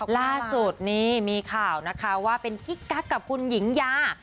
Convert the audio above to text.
ล่าสุดนี่มีข่าวนะคะว่าเป็นกิ๊กกักกับคุณหญิงยา